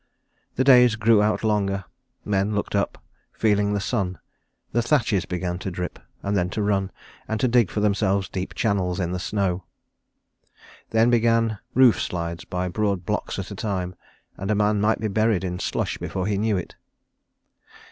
The days drew out longer; men looked up, feeling the sun; the thatches began to drip, and then to run, and to dig for themselves deep channels in the snow. Then began roof slides by broad blocks at a time, and a man might be buried in slush before he knew it.